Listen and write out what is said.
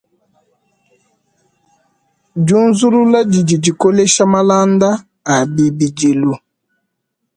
Diunzulula didi dikolesha malanda a bibidilu.